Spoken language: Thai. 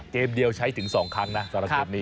เกมเดียวใช้ถึง๒ครั้งนะ